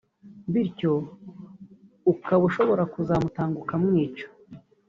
bityo ukaba ushobora kuzamutanga ukamwica